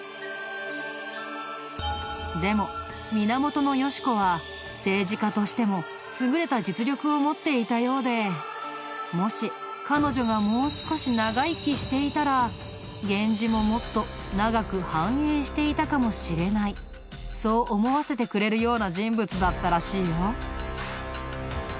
でも源よし子は政治家としても優れた実力を持っていたようでもし彼女がもう少し長生きしていたら源氏ももっと長く繁栄していたかもしれないそう思わせてくれるような人物だったらしいよ。